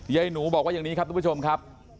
ยายหนูบอกว่าอย่างนี้ครับทุกผู้ชมครับ